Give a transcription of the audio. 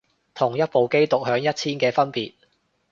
同一部機獨享一千嘅分別